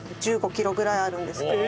１５キロぐらいあるんですけど。